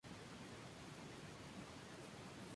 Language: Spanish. Antes del final de la temporada fue transferido nuevamente.